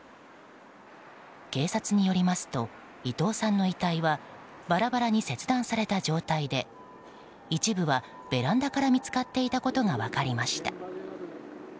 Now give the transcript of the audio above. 警察によりますと伊藤さんの遺体はバラバラに切断された状態で一部はベランダから見つかっていたことが分かりました。